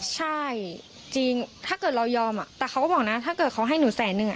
ใช่จริงถ้าเกิดเรายอมแต่เขาก็บอกนะถ้าเกิดเขาให้หนูแสนนึง